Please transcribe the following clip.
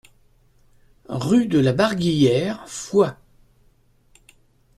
Rue de la Barguillère, Foix